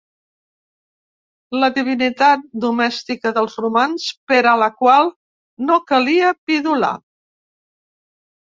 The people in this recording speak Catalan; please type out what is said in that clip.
La divinitat domèstica dels romans per a la qual no calia pidolar.